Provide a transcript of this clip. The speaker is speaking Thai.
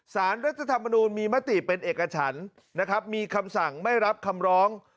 สารรัฐธรรมนูลมีมติเป็นเอกฉันนะครับมีคำสั่งไม่รับคำร้อง